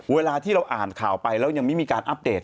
เวลาที่เราอ่านข่าวไปแล้วยังไม่มีการอัปเดต